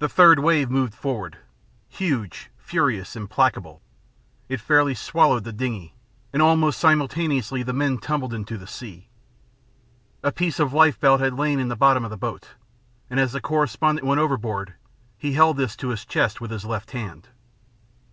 The third wave moved forward, huge, furious, implacable. It fairly swallowed the dingey, and almost simultaneously the men tumbled into the sea. A piece of lifebelt had lain in the bottom of the boat, and as the correspondent went overboard he held this to his chest with his left hand.